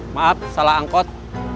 maaf salah angkot